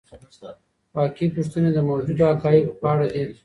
واقعي پوښتنې د موجودو حقایقو په اړه دي.